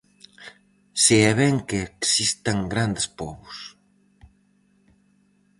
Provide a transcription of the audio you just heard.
Se é ben que existan grandes pobos.